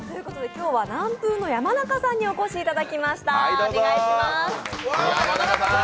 今日は喃風の山中さんにお越しいただきました。